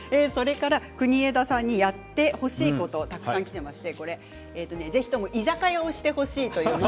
国枝さんにやってほしいことたくさんきました。